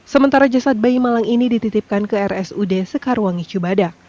sementara jasad bayi malang ini dititipkan ke rsud sekarwangi cibadak